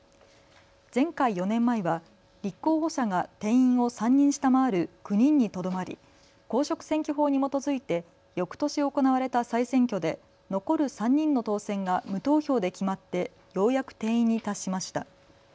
前回・４年前は立候補者が定員を３人下回る９人にとどまり公職選挙法に基づいてよくとし行われた再選挙で残る３人の当選が無投票で決まってようやく定員に達しました。